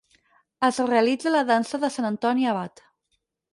Es realitza la Dansa de Sant Antoni Abat.